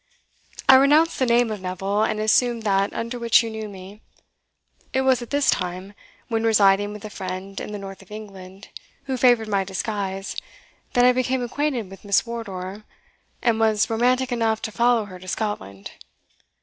I renounced the name of Neville, and assumed that under which you knew me. It was at this time, when residing with a friend in the north of England who favoured my disguise, that I became acquainted with Miss Wardour, and was romantic enough to follow her to Scotland.